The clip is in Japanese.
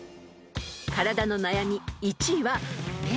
［体の悩み］